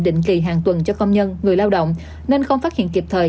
định kỳ hàng tuần cho công nhân người lao động nên không phát hiện kịp thời